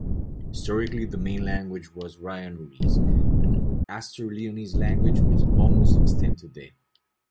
Historically the main language was Rionorese, an Astur-Leonese language, which almost extinct today.